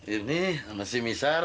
ini sama si misar